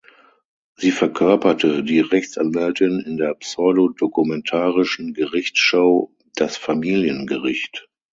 Sie verkörperte die Rechtsanwältin in der pseudo-dokumentarischen Gerichtsshow "Das Familiengericht".